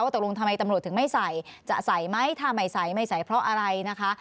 ตกลงทำไมตำรวจถึงไม่ใส่จะใส่ไหมถ้าไม่ใส่ไม่ใส่เพราะอะไรนะคะ